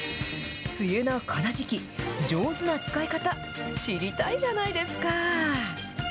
梅雨のこの時期、上手な使い方、知りたいじゃないですか。